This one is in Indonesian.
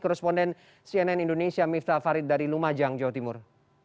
koresponden cnn indonesia miftah farid dari lumajang jawa timur